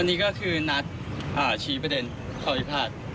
อันนี้ก็คือนัดชี้ประเด็นข้อพิพาท